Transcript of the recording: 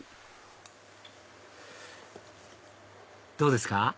どうですか？